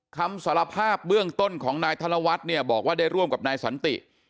คำสารภาพเบื้องต้นของนายธนวัฒน์เนี่ยบอกว่าได้ร่วมกับนายสันติ